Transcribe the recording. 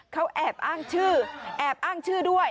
เขาแอบอ้างชื่อแอบอ้างชื่อด้วย